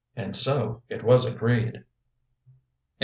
And so it was agreed.